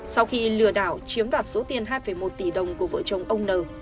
sau khi lừa đảo chiếm đoạt số tiền hai một tỷ đồng của vợ chồng ông n